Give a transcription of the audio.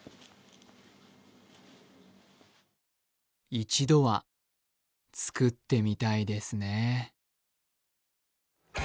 一度は作ってみたいですね。